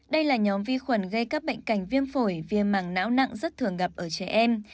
đây là nhóm vi khuẩn gây các bệnh cảnh viêm phổi viêm màng não nặng rất thường gặp ở trẻ em